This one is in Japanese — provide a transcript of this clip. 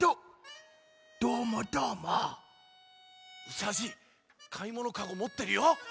うさじいかいものカゴもってるよ。